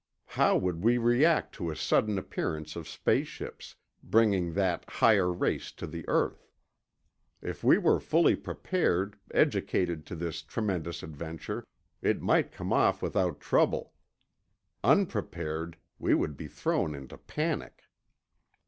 How would we react to a sudden appearance of space ships, bringing that higher race to the earth? If we were fully prepared, educated to this tremendous adventure, it might come off without trouble. Unprepared, we would be thrown into panic.